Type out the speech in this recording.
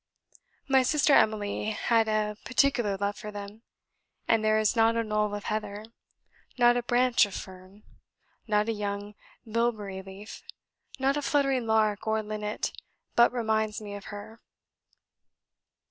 My sister Emily had a particular love for them, and there is not a knoll of heather, not a branch of fern, not a young bilberry leaf, not a fluttering lark or linnet, but reminds me of her.